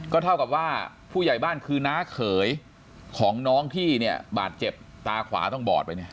เท่ากับว่าผู้ใหญ่บ้านคือน้าเขยของน้องที่เนี่ยบาดเจ็บตาขวาต้องบอดไปเนี่ย